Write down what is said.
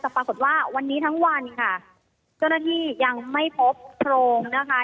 แต่ปรากฏว่าวันนี้ทั้งวันค่ะเจ้าหน้าที่ยังไม่พบโครงนะคะ